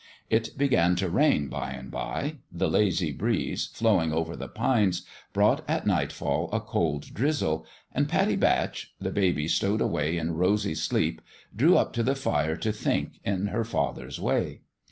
It began to rain, by and by ; the lazy breeze, flowing over the pines, brought at night fall a cold drizzle : and Pattie Batch, the baby stowed away in rosy sleep, drew up to the fire to think, in her father's way.